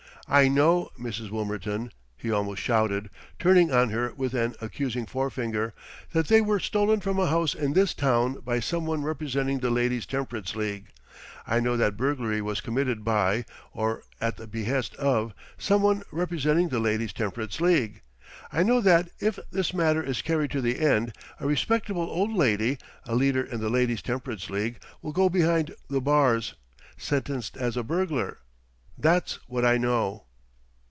I know, Mrs. Wilmerton," he almost shouted, turning on her with an accusing forefinger, "that they were stolen from a house in this town by some one representing the Ladies' Temperance League. I know that burglary was committed by, or at the behest of, some one representing the Ladies' Temperance League! I know that, if this matter is carried to the end, a respectable old lady a leader in the Ladies' Temperance League will go behind the bars, sentenced as a burglar! That's what I know!"